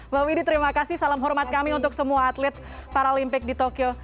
mbak widi terima kasih salam hormat kami untuk semua atlet paralimpik di tokyo